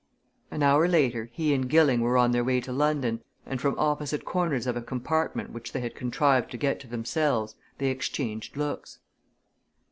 An hour later he and Gilling were on their way to London, and from opposite corners of a compartment which they had contrived to get to themselves, they exchanged looks.